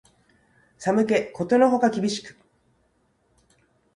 寒気ことのほか厳しく